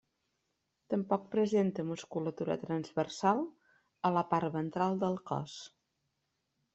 Tampoc presenta musculatura transversal a la part ventral del cos.